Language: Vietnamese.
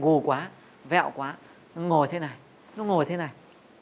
ngù quá vẹo quá ngồi thế này nó ngồi thế này